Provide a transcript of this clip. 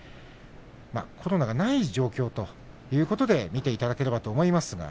コロナがない状況ということで見ていただければと思います。